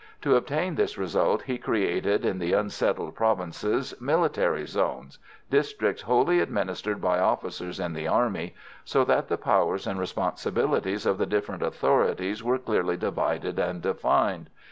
To obtain this result he created in the unsettled provinces military zones districts wholly administered by officers in the army so that the powers and responsibilities of the different authorities were clearly divided and defined.